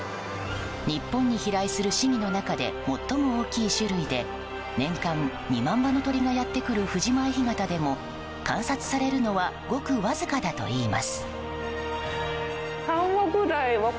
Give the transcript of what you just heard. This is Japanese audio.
日本に飛来するシギの中で最も大きい種類で年間２万羽の鳥がやってくる藤前干潟でも観察されるのはごくわずかだといいます。